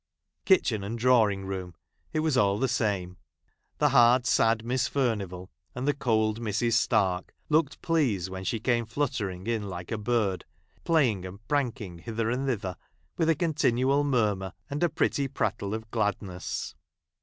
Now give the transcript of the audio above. Kitchen and drawing room, it was all the same. The hard, sad Miss Furnivall, and the j cold Mrs. Stai'k, looked pleased when she ' came fluttering in like a bird, playing and j pranking hither and thitliei , with a continual murmur, aud pretty prattle of gladness.